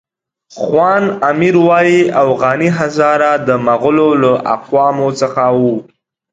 خواند امیر وایي اوغاني هزاره د مغولو له اقوامو څخه وو.